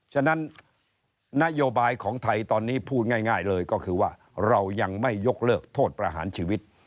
ฉะนั้นนโยบายของไทยตอนนี้พูดง่ายเลยก็คือว่าเรายังไม่ยกเลิกโทษประหารชีวิต